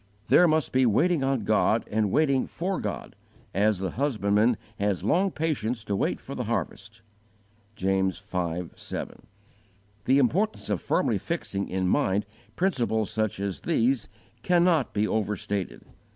There must be waiting on God and waiting for God, as the husbandman has long patience to wait for the harvest. (James v. 7; Luke xviii. 1 10.) The importance of firmly fixing in mind principles such as these cannot be overstated.